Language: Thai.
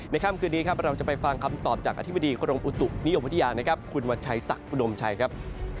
ค่ำคืนนี้ครับเราจะไปฟังคำตอบจากอธิบดีกรมอุตุนิยมวิทยานะครับคุณวัชชัยศักดิ์อุดมชัยครับ